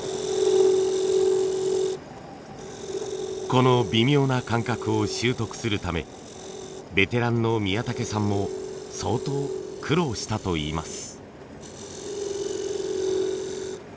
この微妙な感覚を習得するためベテランの宮竹さんも相当苦労したといいます。